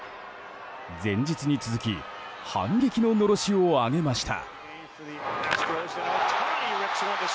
前日に続き、反撃ののろしを上げました。